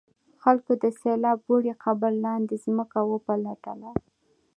خلکو د سیلاب وړي قبر لاندې ځمکه وپلټله.